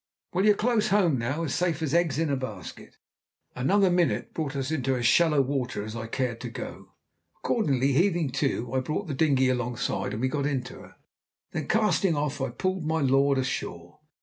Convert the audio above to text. "Well, you're close home now, and as safe as eggs in a basket." Another minute brought us into as shallow water as I cared to go. Accordingly, heaving to, I brought the dinghy alongside, and we got into her. Then casting off, I pulled my lord ashore.